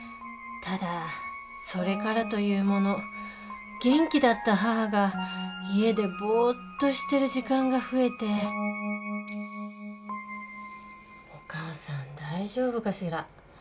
ただそれからというもの元気だった母が家でぼっとしてる時間が増えてお母さん大丈夫かしら。